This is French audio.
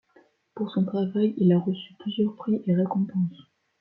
Pour son travail, il a reçu plusieurs prix et récompenses.